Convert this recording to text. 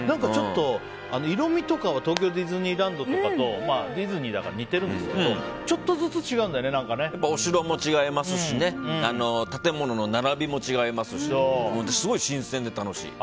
ちょっと色味とかは東京ディズニーランドとかとディズニーだから似てるんですけどお城も違いますし建物の並びも違いますしすごい新鮮で楽しい。